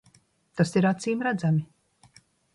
Tas ir acīmredzami.